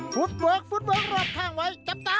ฟุตเวิร์ครอดแข้งไว้